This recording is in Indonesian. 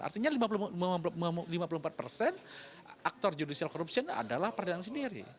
artinya lima puluh empat persen aktor judicial corruption adalah peradilan sendiri